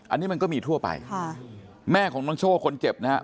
อันนี้มันก็มีทั่วไปค่ะแม่ของน้องโชคคนเจ็บนะฮะ